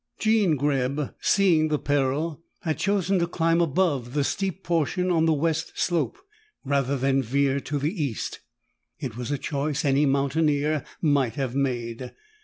Jean Greb, seeing the peril, had chosen to climb above the steep portion on the west slope, rather than veer to the east. It was a choice any mountaineer might have made.